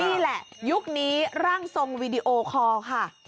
นี่แหละยุคนี้ร่างทรงวีดีโอคอร์ค่ะ